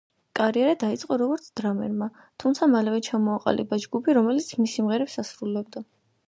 კარიერა დაიწყო როგორც დრამერმა, თუმცა მალევე ჩამოაყალიბა ჯგუფი, რომელიც მის სიმღერებს ასრულებდა.